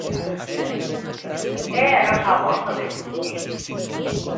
É a nosa aposta de futuro.